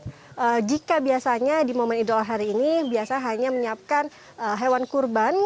jadi jika biasanya di momen idul adha hari ini biasa hanya menyiapkan hewan kurban